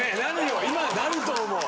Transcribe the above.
今なると思う。